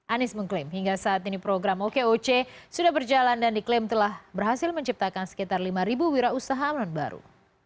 anies mengklaim hingga saat ini program okoc sudah berjalan dan diklaim telah berhasil menciptakan sekitar lima wira usaha non baru